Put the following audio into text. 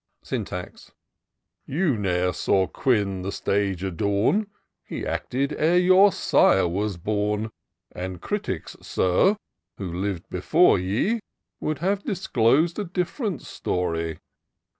Syntax. *' You ne*er saw Quin the stage adorn : He acted ere your sire was born; And critics. Sir, who liv'd before ye. Would have disclos'd a different story.